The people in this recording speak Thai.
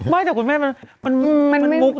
ไม่แต่คุณแม่มันมุก